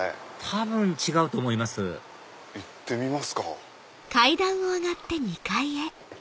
多分違うと思います行ってみますか。